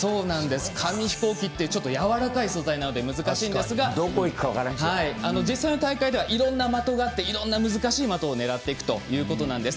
紙飛行機は柔らかい素材で難しいんですが実際の大会ではいろんな的があっていろんな難しい的を狙っていくということでした。